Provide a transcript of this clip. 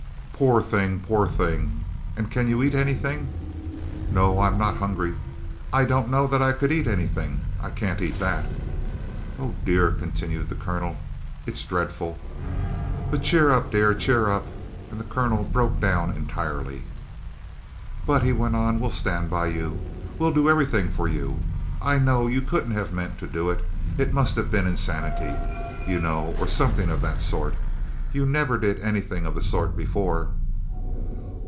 "Poor thing, poor thing. And can you eat any thing?" "No, I am not hungry. I don't know that I could eat any thing, I can't eat that." "Oh dear," continued the Colonel, "it's dreadful. But cheer up, dear, cheer up;" and the Colonel broke down entirely. "But," he went on, "we'll stand by you. We'll do everything for you. I know you couldn't have meant to do it, it must have been insanity, you know, or something of that sort. You never did anything of the sort before."